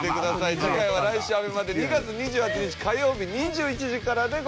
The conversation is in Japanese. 次回は来週ＡＢＥＭＡで２月２８日火曜日２１時からでございます。